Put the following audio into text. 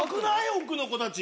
奥の子たち。